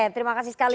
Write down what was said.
terima kasih sekali